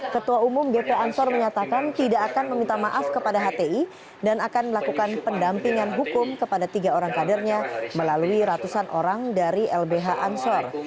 ketua umum gp ansor menyatakan tidak akan meminta maaf kepada hti dan akan melakukan pendampingan hukum kepada tiga orang kadernya melalui ratusan orang dari lbh ansor